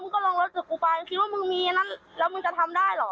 มึงก็รองรถจุดกูไปมึงมีแล้วมึงจะทำได้หรอ